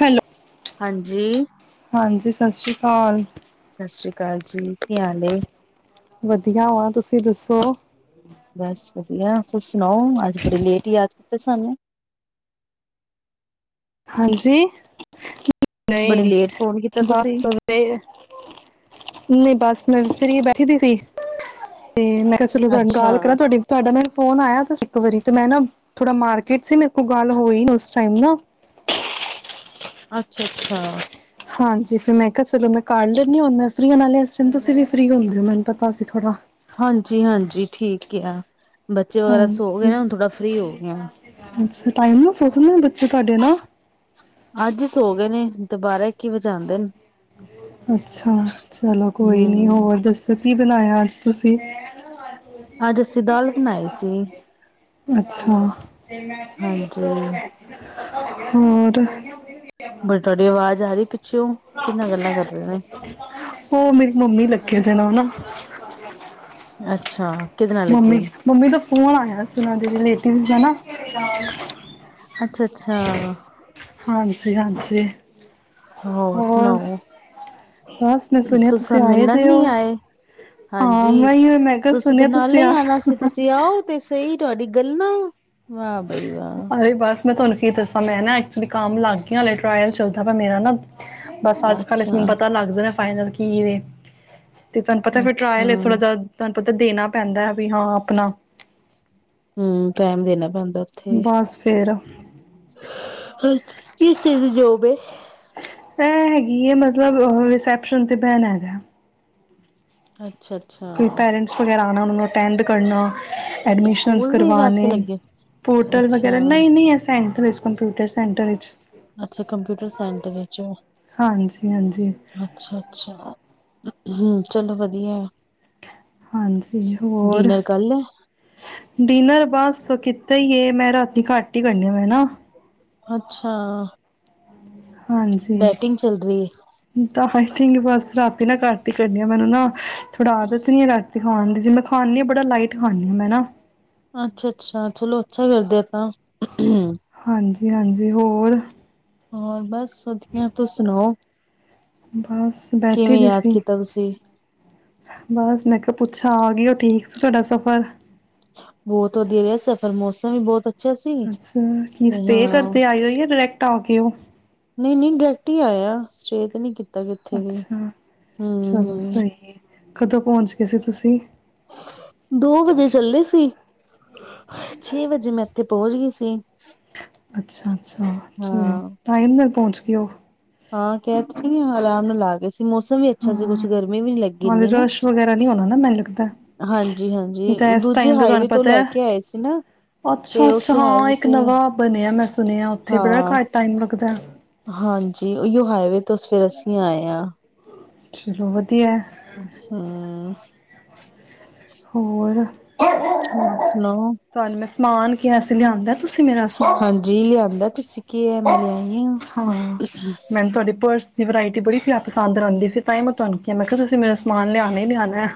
Hello. ਹਾਂਜੀ। ਹਾਂਜੀ। ਸਤਿ ਸ਼੍ਰੀ ਅਕਾਲ। ਸਤਿ ਸ੍ਰੀ ਅਕਾਲ ਜੀ। ਕੀ ਹਾਲ ਹੈ। ਵਧੀਆ ਵਾ ਤੁਸੀਂ ਦੱਸੋ ਬਸ ਵਧੀਆ। ਤੁਸੀਂ ਸੁਣਾਓ ਅੱਜ ਬੜੇ ਲੇਟ ਯਾਦ ਕੀਤੇ ਸਾਨੂੰ ਹਾਂਜੀ। ਬੜੀ ਨਹੀਂ ਲੇਟ ਫੋਨ ਕੀਤਾ ਤੁਸੀਂ। ਬਸ, ਨਹੀਂ ਬਸ ਨਰਸਰੀ ਬੈਠੀ ਦੀ ਸੀ ਤੇ ਮੈਂ ਕਿਹਾ ਚਲੋ ਅੱਛਾ, ਗੱਲ ਕਰਾਂ ਤੁਹਾਡੀ ਤੁਹਾਡਾ ਨਾ ਫੋਨ ਆਇਆ ਇੱਕ ਵਾਰੀ ਤੇ ਮੈਂ ਨਾ ਥੋੜਾ ਮਾਰਕੀਟ ਸੀ ਮੇਰੇ ਕੋਲ ਗੱਲ ਹੋਈ ਨਾ ਉਸ ਟਾਈਮ ਨਾ ਅੱਛਾ, ਅੱਛਾ। ਹਾਂਜੀ ਫਿਰ ਮੈਂ ਕਿਹਾ ਚਲੋ ਮੈਂ ਕਰ ਲੈਣੀ ਹੁਣ ਮੈਂ ਫਰੀ ਹੋ ਇਸ ਟਾਈਮ ਤੁਸੀਂ ਵੀ ਫਰੀ ਹੁੰਦੇ ਹੋ ਮੈਨੂੰ ਪਤਾ ਸੀ ਥੋੜਾ ਹਾਂਜੀ, ਹਾਂਜੀ। ਠੀਕ ਆ। ਬੱਚੇ ਵਗੈਰਾ ਸੋ ਗਏ ਹਾਂਜੀ। ਨਾ, ਹੁਣ ਥੋੜਾ ਫ੍ਰਰੀ ਹੋ ਗਏ ਆ। ਅਛਾ ਟਾਈਮ ਨਾ ਸੋਚਦੇ ਬੱਚੇ ਤੁਹਾਡੇ ਨਾਲ ਅੱਜ ਹੀ ਸੋ ਗਏ ਨੇ, ਦੁਬਾਰਾ ਕੀ ਵਜਾਦੇ ਨੇ ਅੱਛਾ ਚਲੋ ਕੋਈ ਨੀ ਹੂੰ, ਹੋਰ ਦੱਸੋ ਕੀ ਬਣਾਇਆ ਅੱਜ। ਤੁਸੀਂ। ਨਾਈ ਸੀ। ਅੱਛਾ। ਹਾਂਜੀ, ਹੋਰ। ਬੜੀ ਤੁਹਾਡੀ ਆਵਾਜ਼ ਜਾਰੀ ਉਹ ਮੇਰੀ ਮੰਮੀ ਲੱਗੇ ਦੇ ਨਾ ਹਾਂਜੀਾ। ਅੱਛਾ। ਕਿਹਦੇ ਨਾਲ ਮੰਮੀ ਲੱਗੇ ਨੇ? ਮੰਮੀ ਦਾ ਫੋਨ ਆਯਾ ਸੀ ਉਨਾਂ ਦੇ ਰਿਲੇਟਿਵ ਦਾ ਨਾ। [unintelligible] ਅੱਛਾ ਅੱਛਾ। ਹਾਂਜੀ ਹਾਂਜੀ। ਹੋਰ ਸੁਣਾਓ। ਬਸ ਮੈਂ ਸੁਣਿਆ ਤੁਸੀ ਤੁਸੀਂ ਸਾਨੂੰ ਆਏ ਮਿਲਣ ਦੇ ਹੋ ਨੀ ਆਏ, ਹਾਂ ਹਾਂਜੀ ਮੈਂ ਹੀ ਮੈਂ ਕਿਹਾ ਤੁਸੀਂ ਤੇ ਸੁਣਿਆ ਨਾਲੇ ਈ ਆ ਆਣਾ ਸੀ, ਤੁਸੀਂ ਆਓ ਤੇ ਸਹੀ। ਤੁਹਾਡੀ ਗੱਲਾਂ ਵਾਹ ਬਈ ਵਾਹ। ਅਰੇ ਬਸ ਮੈਂ ਤੁਹਾਨੂੰ ਕੀ ਦੱਸਾਂ ਮੈਂ ਨਾ ਐਕਚੁਲੀ ਕਾਮ ਲਾਗ ਗੀ ਆ ਟਰਾਇਲ ਚੱਲਦਾ ਪੈ ਮੇਰਾ ਨਾ। ਬਸ ਅੱਜ-ਕੱਲ੍ਹ ਇਸਨੂੰ ਅੱਛਾ ਪਤਾ ਲੱਗ ਜੇ ਨਾ ਫਾਈਨਲ ਕੀ ਏ। ਤੇ ਤੁਹਾਨੂੰ ਪਤਾ ਫੇਰ ਅੱਛਾ ਟਰਾਇਲ ਏ, ਥੋੜਾ ਜਾ ਤੁਹਾਣ ਪਤਾ ਦੇਣਾ ਪੈਂਦੈ ਬਈ ਹਾਂ ਅਪਣਾ ਹੂੰ, ਟਾਈਮ ਦੇਣਾ ਪੈਂਦ ਓਥੇ ਬਸ ਫਿਰ ਕਿਸ ਚੀਜ਼ ਦੀ ਜੋਬ ਏ? ਕੀ ਏ ਮਤਲਬ ਰਿਸੈਪਸ਼ਨ ਤੇ ਬੈਣਾ ਹੈਗੈ। ਅੱਛ ਅੱਛਾ ਅੱਛਾ। ਔਨਾ ਨੂੰ ਅਟੈਂਡ ਕਰੱਣਾ। ਐਡਮਿਸ਼ਨਸ ਸਕੂਲ ਦੇ ਵਾਸਤੇ ਕਰਵਾਣੇ, ਲੱਗੇ ਪੋਰਟਲ ਵਗੈਰਾ ਅੱਛਾ ਨਈ ਨਈ ਐ ਸੈਂਟਰ ਚ। ਕੰਪਿਊਟਰ ਸੈਂਟਰ ਇਚ। ਅੱਛਾ ਕੰਪਊਟਰ ਸੈੰਟਰ ਇਚ, ਹਾਂਜੀ ਹਾਂਜੀ ਅੱਛਾ ਅੱਛਾ। ਹੂੰ, ਚਲੋ ਵਧੀਐ। ਹਾਂਜੀ ਹੋਰ, ਕਰ ਲਿਆ ਡਿਨਰ ਬਾਸ ਕਿੱਥ ਹੀ ਹੈ ਮੈਂ ਰਾਤੀ ਘੱਟ ਹੀ ਕਰਨੈਂ ਨਾ ਅੱਛਾ। [inaudible] ਡੈਟਿੰਗ ਚੱਲ ਰਹੀ ਹਾਂਜੀ ਤਾਂ ਫਾਈਟੀੰਗ ਬਸ ਰਾਤ ਤੇਨਾ ਘਟ ਈ ਕਰਣੀ ਆ ਮੈਨੂੰ ਨਾ ਥੋੜ੍ਹਾ ਆਦਤ ਨੀ ਐ ਰਾਤੀ ਖਾਣ ਦੀ ਜੇ ਮੈਂ ਖਾਂਦੀ ਆਂ ਬੜਾ ਲਾਈਟ ਖਾਂਣੀ ਆ ਮੈਂ ਨਾ। ਅੱਛਾ ਅੱਛਾ, ਚਲੋ ਅੱਛਾ ਕਰਦੇ ਔ। ਹਾਂ। ਉਂ ਊਂ। ਹਾਂਜੀ। ਜੀ ਹੋਰ। ਹੋਰ ਬਸ ਸਦੀਆ ਤੁਸੀਂ ਸੁਣਾਓ? ਬਸ ਬੈਠੇ ਕਿਵੇਂ ਦੇ ਯਾਦ ਸੀ ਕੀਤਾ ਤੁਸੀਂ? ਸੀ ਬਸ ਮੈਂ ਕਿਹਾ ਪੁੱਛਾਂ ਆ ਗਈ ਉਹ ਠੀਕ ਸੀ ਤੁਹਾਡਾ ਸਫ਼ਰ ਬਹੁਤ ਵਧੀਆ ਰਿਹਾ ਸਫ਼ਰ ਮੌਸਮ ਵੀ ਬਹੁਤ ਅੱਾ ਅੱਛਾ ਕੀ ਸਟੇ ਕਰਦੇ ਆਏ ਹੋ ਜਾਂ ਡਾਇਰੈਕਟ ਆ ਕੇ ਉਹ ਨਹੀਂ ਨਹੀਂ ਡਾਇਰੈਕਟ ਹੀ ਆਇਆ ਸਟੇਅ ਤੇ ਨਹੀਂ ਕੀਤਾ ਤਾ ਕਿੱਥੇ ਵੀ ਅੱਛਾ ਹਮ ਚਲੋ ਹਮ ਸਹੀ ਹੈ ਕਦੋਂ ਪਹੁੰਚ ਗਏ ਸੀ ਤੁਸੀਂ ਦੋ ਵਜੇ ਚੱਲੇ ਸੀ ਛੇ ਵਜੇ ਮੈਂ ਇੱਥੇ ਪਹੁੰਚ ਗਈ ਸੀ ਤੇ ਅੱਛਾ ਅੱਛਾ ਚਲੋ ਹਾਂ ਟਾਈਮ ਨਾਲ ਪਹੁੰਚ [unintelligible] ਹਾਂ ਇਹ ਥੋੜੀ ਨਾ ਅਲਾਰਮ ਲਗਾ ਕੇ ਮੌਸਮ ਵੀ ਅੱਛਾ ਸੀ ਹਾਂ ਕੁਛ ਗਰਮੀ ਵੀ ਨੀ ਲੱਗੀ ਨਾਲੇ ਇਨੀ ਨਾ ਰਸ਼ ਵਗੈਰਾ ਨਹੀਂ ਹੋਣਾ ਨਾ ਮੈਨੂੰ ਲੱਗਦਾ ਹਾਂਜੀ ਨਹੀਂ ਹਾਂਜੀ ਤਾਂ ਇਸ ਦੂਜੇ ਟਾਈਮ ਦਾ ਤੁਹਾਨੂੰ ਹਾਈਵੇ ਤੋਂ ਪਤਾ ਲੈ ਹੈ ਕੇ ਆਏ ਸੀ ਨਾ ਅੱਛਾ ਤੇ ਅੱਛਾ ਉੱਥੇ ਹਾਂ ਹਵੇ ਇੱਕ ਤੇ ਨਵਾਂ ਬਣਿਆ ਮੈਂ ਸੁਣਿਆ ਉੱਥੇ ਬੜਾ ਹਾਂ ਘੱਟ ਟਾਈਮ ਲੱਗਦਾ ਹਾਂਜੀ ਉਹੀਓ ਹਾਈਵੇ ਤੋਂਸੀ ਅਸੀਂ ਆਏ ਹਾਂ ਚਲੋ ਵਧੀਆ [unintelligible] ਹੋਰ ਹੋਰ ਸੁਣਾਓ ਅਸੀ ਲਿਆਂਦਾ ਤੁਸੀਂ ਮੇਰਾ ਸਮਾਨ ਹਾਂਜੀ ਲਿਆਂਦਾ ਤੁਸੀਂ ਕੀ ਹੈ ਮੈਂ ਲਿਆਈ ਹਾਂ ਆ ਮੈਨੂੰ ਤੁਹਾਡੇ ਪਰਸ ਦੀ ਵਰਾਇਟੀ ਬੜੀਿਆ ਪਸਦ ਰਹਿੰਦੀ ਸੀ ਤਾਂ ਮੈਂ ਤੁਹਾਨੂੰ ਕਿਹਾ ਮੈਂ ਕਿਹਾ ਤੁਸੀਂ ਮੇਰਾ ਸਮਾਨ ਲਿਆ ਲਿਆਣਾ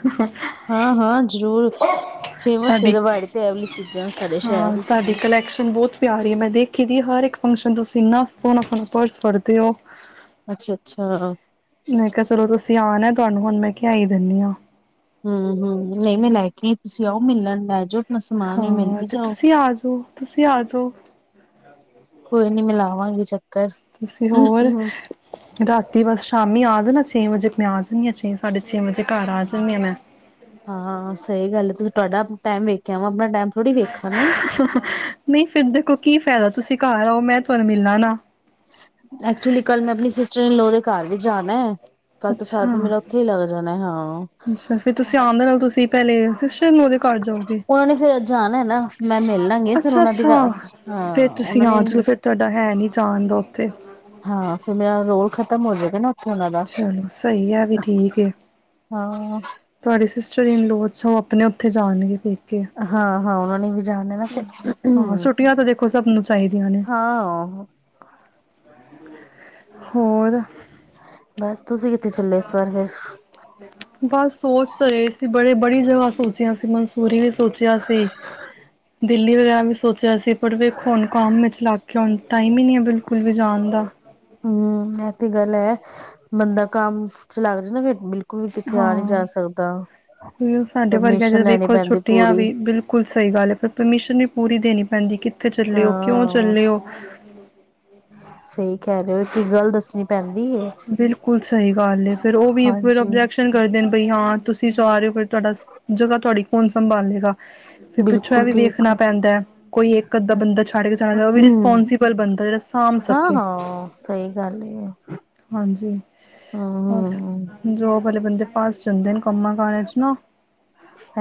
ਹਾਂ ਹਾਂ ਜ਼ਰੂਰ ਫੇਮਸ ਹੈ ਤੁਹਾਡੀ ਰਵਾੜੀ ਤੇ ਇਹ ਵਾਲੀ ਚੀਜ਼ਾਂ ਸਾਡੇ ਸ਼ਹਿਰ ਹਾਂ ਵਿੱਚ ਤੁਹਾਡੀ ਤਾਂ ਕਲੈਕਸ਼ਨ ਬਹੁਤ ਪਿਆਰੀ ਹੈ ਮੈਂ ਦੇਖੀ ਦੀ ਹਾਂ ਹਰ ਇੱਕ ਫੰਕਸ਼ਨ ਤੁਸੀਂ ਇੰਨਾ ਸੋਹਣਾ ਪਰਸ ਫੜਦੇ ਹੋ ਅੱਛਾ ਅੱਛਾ ਮੈਂ ਕਿਹਾ ਚਲੋ ਤੁਸੀਂ ਆਣਾ ਤੁਹਾਨੂੰ ਹੁਣ ਮੈਂ ਕਹਿ ਹੀ ਦਿੰਦੀ ਹਾਂ ਹਮ ਹਮ ਨਹੀਂ ਮੈਂ ਲੈ ਕੇ ਤੁਸੀਂ ਆਓ ਮਿਲਣ ਲੈ ਜੋ ਹਾਂ ਤੇ ਤੁਸੀਂ ਆ ਜਾਓ ਤੁਸੀਂ ਆ ਜਾਓ ਹੋ ਚ ਤੁਸੀਂ ਹੋਰ ਰਾਤੀ ਬਸ ਸ਼ਾਮੀ ਆ ਦੇਣਾਸੀ ਛੇ ਵਜੇ ਮੈਂ ਆ ਜਾਂਦੀ ਹਾਂ ਛੇ ਸਾਢੇ ਛੇ ਵਜੇ ਘਰ ਆ ਜਾਂਦੀ ਹਾਂ ਮੈਂ ਹਾਂ ਸਹੀ ਗੱਲ ਹੈ ਤੁਸੀਂ ਤੁਹਾਡਾ ਟਾਈਮ ਵੇਖਿਆ ਵਾ ਮੈ ਨਹੀਂ ਫਿਰ ਦੇਖੋ ਕੀ ਫਾਇਦਾ ਤੁਸੀਂ ਘਰ ਆਓ ਮੈਂ ਤੁਹਾਨੂੰ ਮਿਲਣਾ ਨਾ ਐਕਚੁਲੀ ਕੱਲ ਮੈਂ ਆਪਣੀ ਸਿਸਟਰ ਨੇ ਲੋ ਦੇ ਘਰ ਵੀ ਜਾਣਾ ਹੈ ਕੱਲ ਤਾਂ ਸਾਰਾ ਅੱਛਾ, ਦਿਨ ਮੇਰਾ ਉੱਥੇ ਹੀ ਲੱਗ ਜਾਣਾ ਹਾਂ ਅੱਛਾ ਫਿਰ ਤੁਸੀਂ ਆਉਦੇ ਨਾਲ ਤੁਸੀਂ ਪਹਿਲੇ [unintelligible] ਘਰ ਜਾਓਗੇ ਉਹਨਾਂ ਨੇ ਫੇਿਰ ਜਾਣਾ ਨਾ ਮੈਂ ਮਿਲ ਲਾਂਗੀ ਫਿਰ ਉਹਨਾਂ ਦੀ ਅੱਛਾ-ਅੱਛਾ ਫਿਰ ਹਾਂ ਤੁਸੀਂ ਉਹਨਾਂ ਨੇ ਹਾਂ ਚਲੋ ਫਿਰ ਤੁਹਾਡਾ ਹੈ ਨੀ ਜਾਣ ਦਾ ਉੱਥੇ ਹਾਂ ਫਿਰ ਮੇਰਾ ਰੋਲ ਖ ਹੋ ਜਾਵੇਗਾ ਨਾ ਉੱਥੇ ਉਹਨਾਂ ਦਾ ਚਲੋ ਸਹੀ ਹੈ। ਵੀ ਠੀਕ ਹੈ। ਹਾਂ ਤੁਹਾਡੇ ਸਿਸਟਰਨ ਲੋ ਉਹ ਆਪਣੇ ਉੱਥੇ ਜਾਣਗੇ ਫਿਰ ਹਾਂ, ਹਾਂ ਉਹਨਾਂ ਨੇ ਵੀ ਜਾਣਨਾ ਨਾ ਫਿਰ। ਹਾਂ ਛੁੱਟੀਆਂ ਤਾਂ ਦੇਖੋ ਸਭ ਨੂੰ ਚਾਹੀਦੀਆਂ ਨੇ ਹਾਂ ਹੋਰ। ਬਸ ਤੁਸੀਂ ਕਿੱਥੇ ਚੱਲੋ ਇਸ ਵਾਰ ਫੇਰ ਬਸ ਸੋਚ ਤਾਂ ਰਹੇ ਸੀ ਬੜੇ ਬੜੀ ਜਗਾ ਸੋਚਿਆ ਸੀ ਮਨਸੂਰੀ ਸੋਚਿਆ ਸੀ ਦਿੱਲੀ ਵਗੈਰਾ ਵੀ ਸੋਚਿਆ ਸੀ ਪਰ ਵੇਖੋ ਹੁਣ ਕੰਮ ਵਿਚ ਲਗ ਗਏ ਹੁਣ ਟਾਈਮ ਹੀ ਨਹੀਂ ਹੈ ਬਿਲਕੁਲ ਵੀ ਜਾਣ ਦਾ ਹੂੰ ਐਸੀ ਗੱਲ ਹੈ। ਬੰਦਾ ਕੰਮ ਚ ਲੱਗ ਜਾਏ ਬਿਲਕੁਲ ਵੀ ਕਿੱਥੇ ਆ ਨਹੀਂ ਜਾ ਸਕਦਾ ਹਾਂ। ਸਾਡੇ ਵਰਗਿਆ ਪਰਮਿਸ਼ਨ ਲੈਣੀ ਵੇਖੋ ਪੈਂਦੀ ਛੁੱਟੀਆਂ ਪੂਰੀ ਵੀ ਬਿਲਕੁਲ ਸਹੀ ਗੱਲ ਹੈ ਪਰ ਪਰਮਿਸ਼ਨ ਵੀ ਪੂਰੀ ਦੇਣੀ ਪੈਂਦੀ ਕਿੱਥੇ ਚੱਲਿਓ ਕਿਉਂ ਹਾਂ ਚੱਲੇ ਹੋ ਸਹੀ ਕਹਿ ਰਹੇ ਹੋ ਕੀ ਗੱਲ ਦੱਸ ਬਿਲਕੁਲ ਸਹੀ ਗੱਲ ਫੇਰ ਉਹ ਵੀ ਫਿਰ ਹਾਂਜੀ ਓਬਜੈਕਸ਼ਨ ਕਰਦੇ ਨੇ ਬਈ ਹਾਂ ਤੁਸੀਂ ਜਾਂ ਰਹੇ ਹੋ ਫਿਰ ਤੁਹਾਡਾ ਜਗ੍ਹਾ ਤੁਹਾਡੀ ਕੌਣ ਸੰਭਾਲੇਗਾ। ਫਿਰ ਪਿੱਛੋਂ ਬਿਲਕੁਲ ਵੀ ਠੀਕ ਵੇਖਣਾ ਪੈਂਦਾ ਕੋਈ ਇੱਕ ਅੱਧਾ ਬੰਦਾ ਛੱਡ ਕੇ ਜਾਣਾ ਚਹੀਦਾ ਉਹ ਵੀ ਰਿਸਪੋਂਸਿਬਲ ਬੰਦਾ ਜਿਹੜਾ ਸਾਂਭ ਹਾਂ ਸਕੇ ਹਾਂ ਸਹੀ ਗੱਲ ਹੈ ਹਾਂਜੀ ਹਮ ਬਸ ਹਮ ਜੋਬ ਵਾਲੇ ਬੰਦੇ ਫਸ ਜਾਂਦੇ ਕੰਮਾਂ ਕਾਰਾ ਚ ਨਾ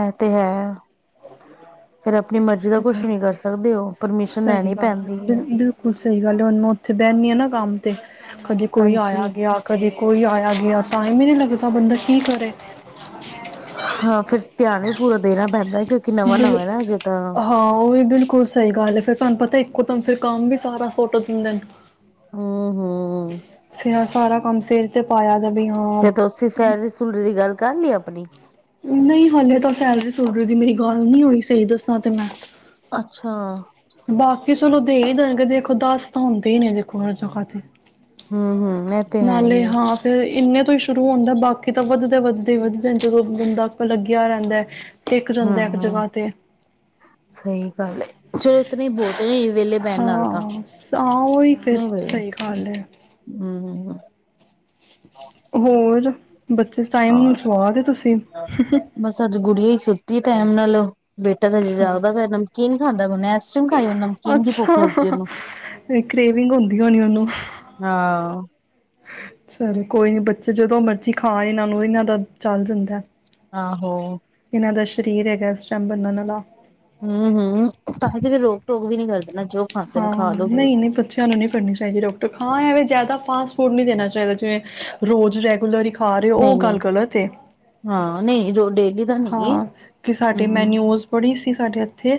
ਇਹ ਤੇ ਹੈ ਫੇਰ ਆਪਣੀ ਮਰਜ਼ੀ ਦਾ ਕੁਛ [unintelligible] ਵੀ ਕਰ ਸਕਦੇ ਹੋ ਪਰਮਿਸ਼ਨ ਸਹੀ ਲੈਣੀ ਗੱਲ ਹਾ ਪੈਂਦੀ ਹੈ। ਬਿਲਕੁਲ ਸਹੀ ਗੱਲ ਹੁਣ ਮੈਂ ਉੱਥੇ ਬਹਿੰਦੀ ਹਾਂ ਨਾ ਕੰਮ ਤੇ ਕਦੇ ਕੋਈ ਹਾਂਜੀ ਆਇਆ, ਗਿਆ। ਕਦੇ ਕੋਈ ਆਇਆ, ਗਿਆ ਟਾਈਮ ਹੀ ਨਹੀਂ ਲੱਗਦਾ ਬੰਦਾ ਕੀ ਕਰੇ ਹਾਂ ਫਿਰ ਧਿਆਨ ਵੀ ਪੂਰਾ ਦੇਣਾ ਪੈਂਦਾ ਕਿਉਂ [unintelligible] ਹਾਂਆਂ, ਉਹ ਵੀ ਬਿਲਕੁਲ ਸਹੀ ਗੱਲ। ਫਿਰ ਤੁਹਾਨੂੰ ਪਤਾ ਇੱਕੋਦਮ ਫਿਰ ਕੰਮ ਵੀ ਸਾਰਾ ਸੁੱਟ ਦਿੰਦੇ ਨੇ। ਹੂੰ -ਹੂੰ ਸ [unintelligible] ਸਾਰਾ ਕੰਮ ਸਿਰ ਤੇ ਪਾਇਆ ਦਾ ਵੀ ਹਾਂ ਫਿਰ ਤੁਸੀ ਸੈਲਰੀ-ਸੁਲਰੀ ਦੀ ਗੱਲ ਕਰ ਲੀ ਆਪਣੀ ਨਹੀਂ, ਹਲੇ ਤਾਂ ਸੈਲਰੀ-ਸੁਲਰੀ ਦੀ ਮੇਰੀ ਗੱਲ ਨਹੀਂ ਹੋਣੀ, ਸਹੀ ਦੱਸਾਂ ਤੇ ਮੈਂ। ਅੱਛਾ। ਬਾਕੀ ਚਲੋ ਦੇ ਹੀ ਦੇਣਗੇ ਦੇਖੋ ਦਸ ਤਾਂ ਹੁੰਦੇ ਹੀ ਨੇ ਦੇਖੋ ਹਰ ਜਗ੍ਹਾ ਤੇ ਹੂੰ- ਹੂੰ ਐ ਤੇ ਹੈ ਹੀ ਨਾਲੇ ਐ। ਹਾਂ ਫਿਰ ਇੰਨੇ ਤੋਂ ਹੀ ਸ਼ੁਰੂ ਹੁੰਦਾ ਬਾਕੀ ਤਾਂ ਵੱਧਦੇ- ਵੱਧਦੇ- ਵੱਧਦੇ ਜਦੋਂ ਬੰਦਾ ਲੱਗਿਆ ਰਹਿੰਦਾ। ਟਿਕ ਜਾਂਦਾ ਇੱਕ ਹਾਂ, ਜਗ੍ਹਾ ਤੇ ਸਹੀ ਗੱਲ ਏ। ਚਲੋ ਇਤਨੇ ਹੀ ਬਹੁਤ ਨੇ ਵਿਹਲੇ ਬਹਿਣ ਨਾਲੋਂ ਹਾਂ ਤਾਂ ਹਾਂ ਉਹੀ ਫਿਰ ਨਹੀਂ ਹੂੰ-ਹੂੰ ਸਹੀ ਗੱਲ ਹੈ [inaudible] ਹੋਰ ਬੱਚੇ ਇਸ ਟਾਈਮ ਨੂੰ ਹਾਂ ਸਵਾ ਤੇ ਤੁਸੀਂ ਟੈਮ ਨਾ ਲਓ। ਬੇਟਾ ਤਾਂ ਅਜੇ ਅੱਛਾ ਜਾਗਦਾ ਪਿਆ ਨਮਕੀਨ ਖਾਂਂਦਾ ਬਣਿਆ ਆਈਸਕ੍ਰੀਮ ਖਾਈ ਉਹ ਨਮਕੀਨ ਦੀ ਅੱਛਾ ਭੁੱਖ ਲੱਗੀ ਉਹਨੂੰ ਤੇ ਕਰੇਵਿੰਗ ਹੁੰਦੀ ਹੋਣੀ ਉਹਨੂੰ ਹਾਂ ਚਲੋ ਕੋਈ ਨੀ ਬੱਚੇ ਜਦੋਂ ਮਰਜ਼ੀ ਖਾਂ ਇਹਨਾਂ ਨੂੰ, ਇਹਨਾਂ ਦਾ ਚੱਲ ਜਾਂਦਾ। ਆਹੋ। ਇਹਨਦਾ ਸਰੀਰ ਹੈਗਾ ਇਸ ਟਾਈਮ ਬਨਣ ਆਲਾ। ਹੂੰ- ਹੂੰ, ਤਾਂ ਕਿਦੇ ਰੋਕ-ਟੋਕ ਵੀ ਨੀ ਕਰ ਹਾਂ, ਨਹੀਂ- ਨਹੀਂ ਬੱਚਿਆਂ ਨੂੰ ਨਹੀਂ ਫੜਨੀ ਚਾਹੀਦੀ ਰੋਟੀ ਹਾਂ, ਐਵੇਂ ਜ਼ਿਆਦਾ ਫਾਸਟ ਫੂਡ ਫੋਨ ਨਹੀਂ ਦੇਣਾ ਚਾਹੀਦਾ ਜਿਵੇਂ ਰੋਜ਼ ਰੈਗੂਲਰ ਹੀ ਖਾ ਰਹੇ ਹੋ ਉਹ ਗੱਲ ਨਹੀਂ-ਨਹੀਂ, ਗਲਤ ਏ ਹਾਂ ਨਹੀਂ ਰੋਂ ਡੇ ਹਾਂ, ਕਿ ਸਾਡੇ ਮੈ ਨਿਊਜ ਪੜੀ ਸਾਡੇ ਇੱਥੇ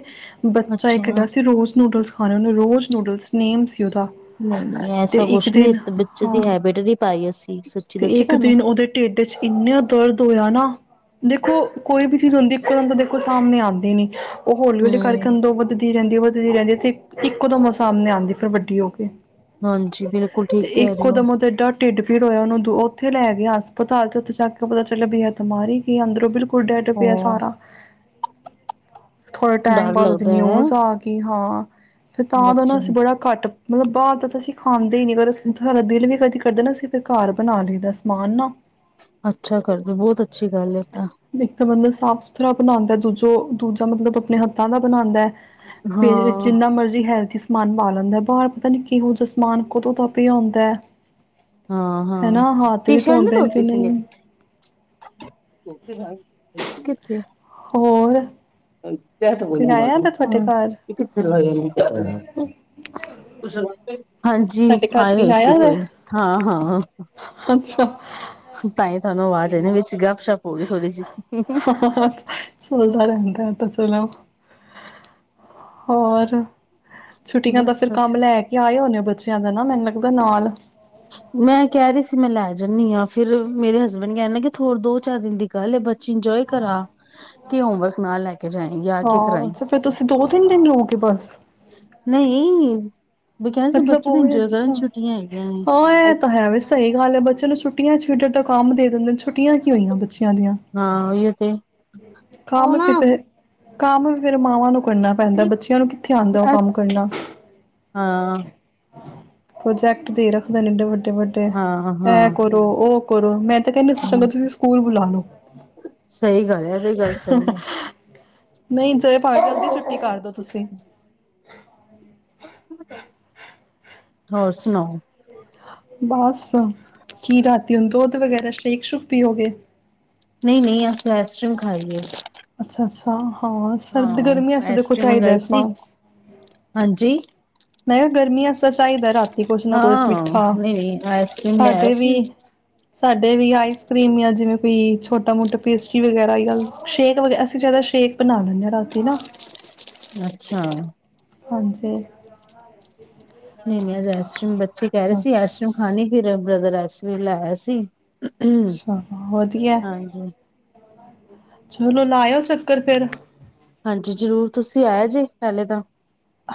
ਬੱਚਾ ਇੱਕ ਅੱਛਾ ਹੈਗਾ ਸੀ ਰੋਜ਼ ਨੂਡਲਸ ਖਾਣੇ ਉਹਨੇ ਰੋਜ਼ ਨੂਡਲਸ ਨੇਮ ਸੀ ਉਹਦਾ ਨਈ-ਨਈ ਤੇ ਐਸਾ ਇੱਕ ਕੁਛ ਨੀ ਦਿਨ, ਬੱਚੇ ਦੀ ਹਾਂ ਹੈਬਿਟ ਨੀ ਪਾਈ ਅਸੀਂ ਸੱਚੀ ਤੇ ਦੱਸੀ ਇੱਕ ਤੁਹਾਨੂੰ। ਦਿਨ ਉਹਦੇ ਢਿੱਡ ਚ ਇਨਾ ਦਰਦ ਹੋਇਆ ਨਾ ਦੇਖੋ ਕੋਈ ਵੀ ਚੀਜ਼ ਹੁੰਦੀ ਇੱਕੋ ਦਮ ਤਾਂ ਦੇਖੋ ਸਾਹਮਣੇ ਆਂਦੀ ਨੀ ਉਹ ਹੌਲੀ-ਹੌਲੀ ਕਾਰਕੇ ਹੂੰ। ਅੰਦਰੋਂ ਵਧਦੀ ਰਹਿੰਦੀ ਐ ਵਧਦੀ ਵਧਦੀ ਰਹਿੰਦੀ ਇੱਕ ਦਮ ਸਾਹਮਣੇ ਆਂਦੀ ਫਿਰ ਵੱਡੀ ਹੋ ਕੇ ਹਾਂਜੀ ਬਿਲਕੁਲ ਤੇ ਠੀਕ ਕਹਿ ਰਹੇ ਇੱਕੋ ਹੋ ਦਮ ਉਹ ਤੇ ਡਾ ਢਿੱਡ ਭੀੜ ਹੋਇਆ ਉਹਨੂੰ ਉੱਥੇ ਲੈ ਗਿਆ ਹਸਪਤਾਲ ਤੇ ਉੱਥੇ ਜਾ ਕੇ ਪਤਾ ਚੱਲਿਆ ਬੀ ਏਹ ਤੇ ਮਰ ਹੀ ਗਿਆ ਕਿ ਅੰਦਰੋਂ ਬਿਲਕਲ ਡੈਡ ਪਿਆ ਹਾਂ ਸਾਰਾ ਥੋੜ੍ਹੇ ਟਾਈਮ ਡਰ ਬਾਅਦ ਉਹਦੀ ਲੱਗਦਾ ਹੈ ਨਿਊਜ਼ ਆ ਗਈ ਹਾਂ। ਫਿਰ ਤਾਂ ਨਾ ਬੱਚੇ ਅਸੀਂ ਨੂੰ। ਬੜਾ ਘੱਟ ਮਤਲਬ ਬਾਹਰ ਦਾ ਤਾਂ ਅਸੀਂ ਖਾਂਦੇ ਹੀ ਨੀ ਕਰ ਸਾਡਾ ਦਿਲ ਵੀ ਕਦੀ ਕਰਦਾ ਨਾ ਅਸੀਂ ਫਿਰ ਘਰ ਬਣਾ ਲਏ ਦਾ ਸਮਾਨ ਨਾ ਅੱਛਾ ਕਰਦੇ ਬਹੁਤ ਅੱਛੀ ਗੱਲ ਹੈ। ਤਾਂ। ਇੱਕ ਤਾਂ ਬੰਦਾ ਸਾਫ਼ ਸੁਥਰਾ ਬਣਾਉਂਦਾ ਦੂਜਾ ਜੋ ਦੂਜਾ ਮਤਲਬ ਆਪਣੇ ਹੱਥਾਂ ਦਾ ਬਣਾਉਦਾ ਹੈ। ਫੇਰ ਹਾਂ ਜਿੰਨਾ ਮਰਜੀ ਹੈਲਥੀ ਮਨ ਪਾ ਲੈਂਦਾ ਬਾਹਰ ਪਤਾ ਨੀ ਕਿਹੋ ਜਿਹਾ ਸਮਮਾਨ ਕਦੋਂ ਦਾ ਪਿਆ ਹੁੰਦਾ ਹੈ। ਹਾਂ ਹਾਂ ਨਾ ਹੱਥ ਟੀ ਵੀ ਸ਼ਰਟ ਨਹੀ ਧੋਂਦੇ ਨੇ ਕਿ ਧੋਤੀ ਸੀ ਨਹੀਂ ਮੇਰੀ ਕਿੱਥੇ ਹੋਰ ਕੋਈ ਆਇਆ ਦਾ ਤੁਹਾਡੇ ਘਰ ਹਾਂਜੀ ਤੁਹਾਡੇ ਘਰ ਆਏ ਹੋਏ ਸੀ ਆਇਆ ਦਾ ਕੋਈ ਹਾਂ ਹਾਂ ਅੱਛਾ ਤਾਸ਼ਈ ਤੁਹਾਨੂੰ ਆਵਾਜ਼ ਦੇ ਵਿੱਚ ਗ ਹਾਂ ਹਾਂ ਸੁਲਦਾ ਰਦਾ ਤਾਂ ਚਲਾਓ। ਹੋਰ ਛੁੱਟੀਆਂ ਦਾ ਬਸ ਫਿਰ ਕੰਮ ਲੈ ਕੇ ਆਏ ਹੋਣੇ ਬੱਚੇ ਜ਼ਿਆਦਾ ਨਾ ਮੈਨੂੰ ਲੱਗਦਾ ਨਾਲ ਮੈਂ ਕਹਿ ਰਹੀ ਸੀ ਮੈਂ ਲੈ ਜਾਂਦੀ ਹਾਂ। ਫਿਰ ਮੇਰੇ ਹਸਬੈਂਡ ਕਹਿਣਦੇ ਕਿ ਥੋਰ ਦੋ ਚਾਰ ਦਿਨ ਦੀ ਗੱਲ ਹੈ। ਬੱਚੇ ਇੰਜੋਏ ਕਰਾ ਕੇ ਹੋਮਵਰਕ ਨਾਲ ਲੈ ਕੇ ਜਾਏਗੀ ਆ ਕੇ ਹਾਂ ਕਰਾਈ। ਅੱਛਾ ਫਿਰ ਤੁਸੀਂ ਦੋ ਤਿੰਨ ਦਿਨ ਰਹੋਗੇ ਬਸ ਬ ਕਿੰਦੇ ਸੀ ਮਤਲਬ ਬੱਚੇ ਦੇ ਉਵੇਂ ਇੰਜੋਏ ਅੱਛਾ ਕਰਨ ਹਾਂ ਛੁੱਟੀਆਂ ਹੈਗੀਆਂ ਨੇ ਇਹ ਤਾਂ ਹੈ ਵੈ ਸਹੀ ਗੱਲ ਹੈ ਬੱਚੇ ਨੂੰ ਛੁੱਟੀਆਂ ਚ ਫੇਡ ਕੰਮ ਦੇ ਦਿੰਦੇ ਛੁੱਟੀਆਂ ਕੀ ਹੋਈਆਂ ਬੱਚਿਆਂ ਦੀਆਂ ਹਾਂ ਉਹੀਓ ਤੇ ਕਮ ਫਿਰ ਤੇ ਕੰਮ ਵੀ ਫੇਰ ਮਾਵਾਂ ਨੂੰ ਕਰਨਾ ਪੈਂਦਾ ਬੱਚਿਆਂ ਨੂੰ ਕਿੱਥੇ ਆਉਂਦਾ ਉਹ ਕੰਮ ਕਰਨਾ ਪ੍ਰੋਜੈਕਟ ਦੇ ਰੱਖਦੇ ਨੇ ਇਡੇ ਵੱਡੇ ਵੱਡੇ ਵੱਡੇ ਐਂ ਹਾਂ-ਹਾਂ-ਹਾਂ। ਕਰੋ ਉਹ ਕਰੋ ਮੈਂ ਤੇ ਕਹਿੰਦੇ ਸੀ ਚਲੋ ਤੁਸੀਂ ਸਕੂਲ ਲਾ ਲੋ। ਸਹੀ ਸਹੀ ਗੱਲ ਐ ਇਹ ਵੀ ਗੱਲ ਸਹੀ ਐ। ਨਹੀਂ ਚਹੇ ਪਾਵੇ ਜਲਦੀ ਛੁੱਟੀ ਕਰ ਦੋ। ਤੁਸੀਂ ਹੋਰ ਸੁਣਾਓ। ਬਸ ਕੀ ਰਾਤੀ ਹੁਣ ਦੁੱਧ ਵਗੈਰਾ ਸੈ਼ਕ ਸ਼ੁਕ ਪੀਊ ਗਏ। ਨਹੀਂ ਨਹੀਂ, ਅਸੀਂ ਆਈਸ ਕਰ੍ਰੀਮ ਖਾਈਏ। ਅੱਛਾ ਅੱਛਾ ਹਾਂ ਸਰਦ ਹਾਂ ਗਰਮੀਆਂ ਸ ਦੇਖੋ ਆਈਸਕ੍ਰੀਮ ਚਾਹੀਦਾ ਮੰਗਾਈ ਸੀ ਸਮਾਨ। ਹਾਂਜੀ ਮੈਂ ਕਿਹਾ ਗਰਮੀਆ ਚ ਚਾਹੀਦਾ ਰਾਤੀ ਕੁਛ ਨਾ ਕੁਛ ਹਾਂ ਮਿੱਠਾ, ਨਹੀਂ ਨਹੀਂ ਆਈਸਕ੍ਰੀਮ ਲਿਆਇਆ ਸਾਡੇ ਵੀ ਸੀ ਸਾਡੇ ਵੀ ਆਈਸ ਕਰ੍ਰੀਮ ਜਾਂ ਜਿਵੇਂ ਕੋਈ ਛੋਟਾ ਮੋਟਾ ਪੇਸਟਰੀ ਵਗੈਰਾ, ਜਾਂ ਸ਼ੇਕ ਵਗੈ, ਅਸੀਂ ਜ਼ਿਆਦਾ ਸ਼ੇਕ ਬਣਾ ਲੈਂਦੇ ਆ ਰਾਤੀ ਨਾ। ਅੱਛਾ ਹਾਂਜੀ ਬੱ ਚੇ, ਕਹਿ ਰਹੇ ਸੀ, ਆਈਸ ਕਰ੍ਰੀਮ ਅੱਛਾ ਖਾਣੀ ਫਿਰ ਬ੍ਰਦਰ ਆਈਸਕ੍ਰੀਮ ਲੈ ਆਏ ਸੀ, ਅੱਛਾ ਵਧੀਆ। ਹਾਂਜੀ ਚਲੋ ਲਾਇਓ, ਚੱਕਰ ਫੇਰ। ਹਾਂਜੀ ਜ਼ਰੂਰ, ਤੁਸੀਂ ਆਏ ਜੇ ਪਹਿਲੇ ਤਾਂ।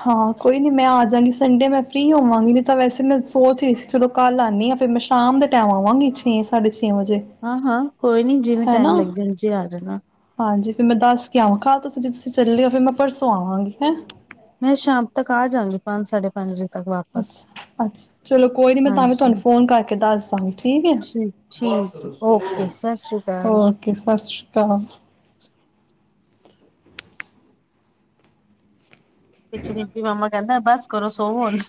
ਹਾਂ, ਕੋਈ ਨੀ ਮੈਂ ਆਜਗੀ ਸ ਸੰਡੇ ਮੈਂ ਫਰੀ ਹੋਵਾਂਗੀ, ਨਹੀਂ ਤਾਂ ਵੈਸੇ ਮੈਂ ਸੋਚ ਰਹੀ ਸੀ, ਚਲੋ ਕੱਲ੍ਹ ਆਨੀ ਆ, ਫਿਰ ਮੈਂ ਸ਼ਾਮ ਦੇ ਟਾਈਮ ਆਵਾਂਗੀ ਛੇ ਸਾਢੇ ਛੇ ਵਜੇ ਹਾਂ ਹਾਂ ਕੋਈ ਨੀ ਜਿਵੇਂ ਹੈਨਾ ਟਾਈਮ ਲੱਗੇ ਜੀ ਆ ਜਾਣਾ ਹਾਂਜੀ, ਫਿਰ ਮੈਂ ਦੱਸ ਕੇ ਆਵਾਂ, ਕਲ ਤੁਸੀ ਜੇ ਤੁਸੀਂ ਚੱਲੇ ਫਿਰ ਮੈਂ ਪਰਸੋਂ ਆਵਾਂਗੀ। ਹੈ ਮੈਂ ਸ਼ਾਮ ਤੱਕ ਆ ਜਾਗੀ, ਪੰਜ ਸਾਢੇ ਪੰਜ ਵਜੇ। ਤੱਕ ਵਾਪਸ ਅੱਛਾ ਅੱਛਾ ਚਲੋ, ਕੋਈ ਨੀ ਮੈਂ ਤਾਂ ਵੀ ਤੁਹਾਨੂੰ ਹਾਂਜੀ ਫੋਨ ਕਰਕੇ ਦੱਸ ਦਾ ਗੀ ਠੀਕ ਹੈ, ਠੀਕ ਓਕੇ ਸਤਿ ਸ਼੍ਰੀ ਅਕਾਲ ਓਕੇ ਸਤਿ ਸ਼੍ਰੀ ਕਾਹਾ ਪਛੇ ਇਨਕੇ, ਮਾਮਾ ਕਹਿੰਦਾ ਬਸ ਕਰੋ, ਸੋਵੋ ਹੁਣ।